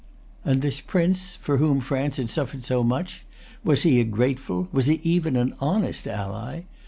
And this prince, for whom France had suffered so much, was he a grateful, was he even an honest ally?